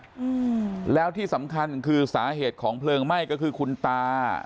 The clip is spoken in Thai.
อืมแล้วที่สำคัญคือสาเหตุของเพลิงไหม้ก็คือคุณตา